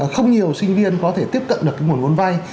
không nhiều sinh viên có thể tiếp cận được nguồn vốn vay